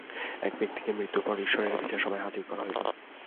এক ব্যক্তিকে মৃত্যুর পর ঈশ্বরের বিচার-সভায় হাজির করা হইল।